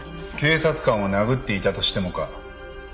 警察官を殴っていたとしてもか？